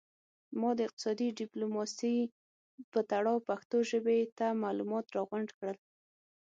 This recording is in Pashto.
ما د اقتصادي ډیپلوماسي په تړاو پښتو ژبې ته معلومات را غونډ کړل